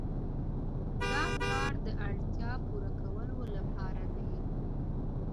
دا کار د اړتیا پوره کولو لپاره دی.